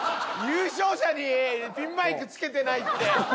優勝者にピンマイクつけてないって。